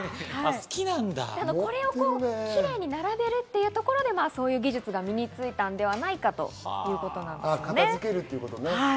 これをキレイに並べるというところで技術が身についたんではないかということです。